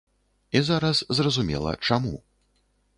І зараз зразумела, чаму.